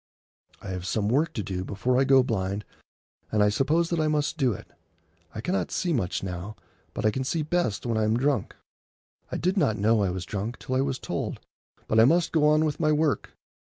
I have some work to do before I go blind, and I suppose that I must do it. I cannot see much now, but I can see best when I am drunk. I did not know I was drunk till I was told, but I must go on with my work.